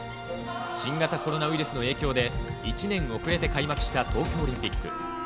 新型コロナウイルスの影響で、１年遅れて開幕した東京オリンピック。